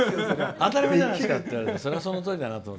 当たり前じゃないですかってそれはそのとおりだなって。